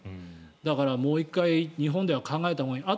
だからもう１回日本では考えたほうがいい。